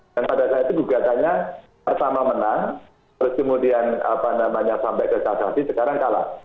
dan pada saat itu gugatannya pertama menang terus kemudian sampai ke satasi sekarang kalah